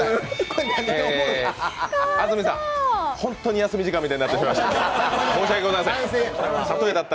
安住さん、本当に休み時間みたいになってしまいました。